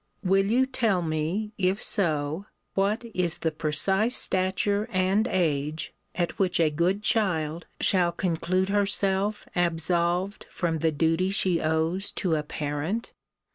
Will you tell me, if so, what is the precise stature and age at which a good child shall conclude herself absolved from the duty she owes to a parent?